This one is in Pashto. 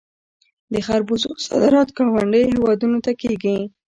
د خربوزو صادرات ګاونډیو هیوادونو ته کیږي.